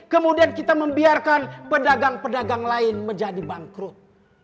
kemudian kita membiarkan pedagang pedagang lain menjadi bangkrut